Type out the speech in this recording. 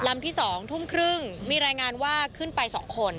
ลำที่๒ทุ่มครึ่งมีรายงานว่าขึ้นไป๒คน